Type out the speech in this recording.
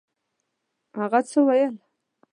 هغه څه ویل؟